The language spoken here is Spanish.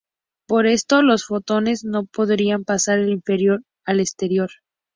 Por esto los fotones no podrían pasar del interior al exterior.